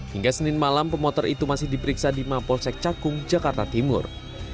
hingga senin malam pemotor itu masih diperiksa di mapolsek cakung jakarta timur